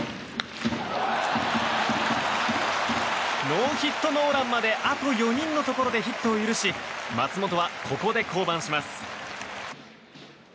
ノーヒットノーランまであと４人のところでヒットを許し松本はここで降板します。